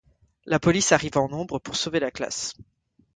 La police arrive en nombre pour sauver la classe.